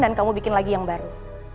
dan kamu bikin lagi yang baru